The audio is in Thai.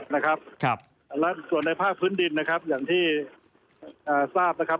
และส่วนในภาคพื้นดินอย่างที่ทราบ